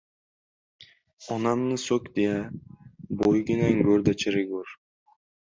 — Onamni so‘kdi-ya, bo‘yginang go‘rda chirigur.